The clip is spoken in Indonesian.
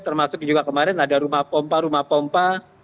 termasuk juga kemarin ada rumah pompa rumah pompa